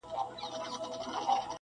شیرني نه ده دا زهر دي پلارجانه.